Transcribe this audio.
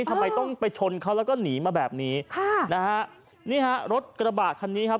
ทำไมต้องไปชนเขาแล้วก็หนีมาแบบนี้ค่ะนะฮะนี่ฮะรถกระบะคันนี้ครับ